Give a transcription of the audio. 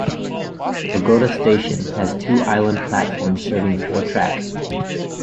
Kogota Station has two island platforms serving four tracks.